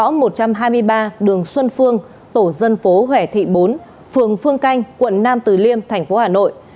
đối tượng này cao một m hai mươi ba đường xuân phương tổ dân phố huệ thị bốn phường phương canh quận nam từ liêm thành phố hà nội